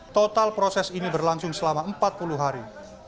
total proses ini berlangsung selama empat puluh hari